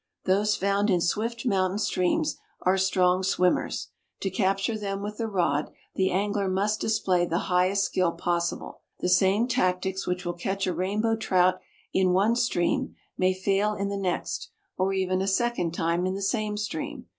Those found in swift mountain streams are strong swimmers. To capture them with the rod the angler must display the highest skill possible. The same tactics which will catch a Rainbow Trout in one stream may fail in the next or even a second time in the same stream.